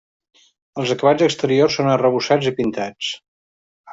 Els acabats exteriors són arrebossats i pintats.